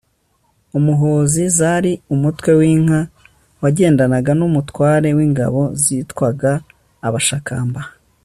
umuhozi zari umutwe w'inka wagendanaga n'umutware w'ingabo zitwaga abashakamba